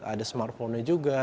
ada smartphone juga